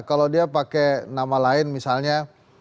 kalau dia pakai nama lain misalnya